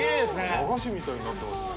和菓子みたいになってますね